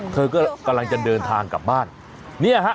เธอก็กำลังจะเดินทางกลับบ้านเนี่ยฮะ